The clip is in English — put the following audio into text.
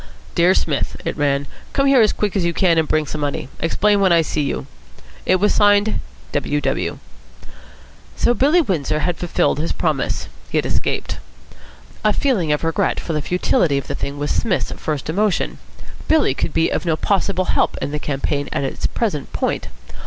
"Dear Smith," it ran. "Come here as quick as you can, and bring some money. Explain when I see you." It was signed "W. W." So Billy Windsor had fulfilled his promise. He had escaped. A feeling of regret for the futility of the thing was Psmith's first emotion. Billy could be of no possible help in the campaign at its present point.